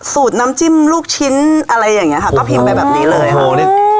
สูตรน้ำจิ้มลูกชิ้นอะไรอย่างนี้ค่ะก็พิมพ์ไปแบบนี้เลยค่ะ